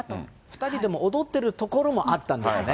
２人でも踊ってるところもあったんですね。